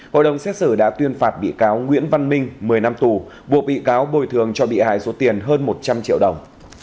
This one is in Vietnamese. hội đồng xét xử đã tuyên phạt bị cáo nguyễn văn minh một mươi năm tù buộc bị cáo bồi thường cho bị hại số tiền hơn một trăm linh triệu đồng